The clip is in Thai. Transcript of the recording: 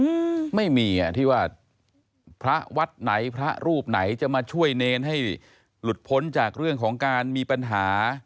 อืมไม่มีอ่ะที่ว่าพระวัดไหนพระรูปไหนจะมาช่วยเนรให้หลุดพ้นจากเรื่องของการมีปัญหา